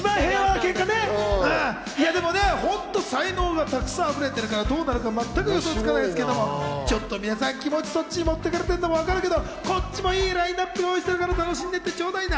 才能がたくさんあふれてるから、どうなるか全く予想がつかないですけど、ちょっと皆さん気持ちをそっちに持ってかれてるのも分かるんですけど、こっちもいいラインナップを用意してるから、楽しんでってちょうだいな。